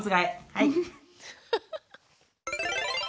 はい。